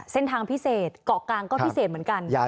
เส้นทางพิเศษเกาะกลางก็พิเศษเหมือนกัน